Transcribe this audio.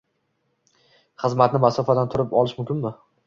Xizmatni masofadan turib olish mumkinmi?